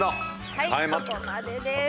はいそこまでです。